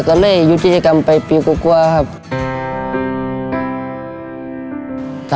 ก็เลยหยุดกิจกรรมไปปีกว่าครับ